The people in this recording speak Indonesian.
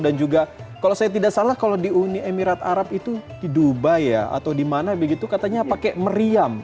dan juga kalau saya tidak salah kalau di uni emirat arab itu di dubai ya atau di mana begitu katanya pakai meriam